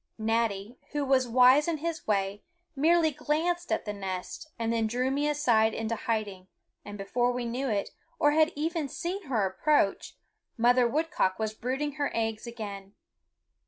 Natty, who was wise in his way, merely glanced at the nest and then drew me aside into hiding, and before we knew it, or had even seen her approach, Mother Woodcock was brooding her eggs again.